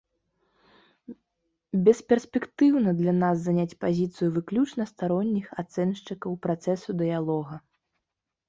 Бесперспектыўна для нас заняць пазіцыю выключна старонніх ацэншчыкаў працэсу дыялога.